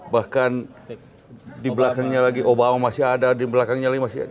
bahkan di belakangnya lagi obama masih ada di belakangnya lagi masih ada